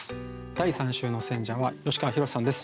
第３週の選者は吉川宏志さんです。